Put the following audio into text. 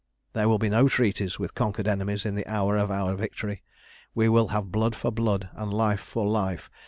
"There will be no treaties with conquered enemies in the hour of our victory. We will have blood for blood, and life for life.